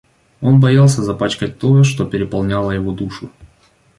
Он боялся запачкать то, что переполняло его душу.